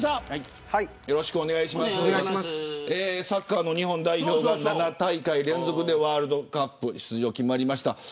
サッカーの日本代表が７大会連続でワールドカップ出場が決まりました。